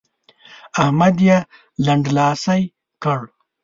احمد يې لنډلاسی کړ.